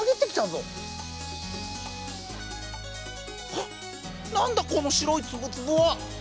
はっ何だこの白いツブツブは！